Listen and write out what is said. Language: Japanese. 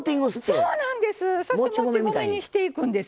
そうなんです。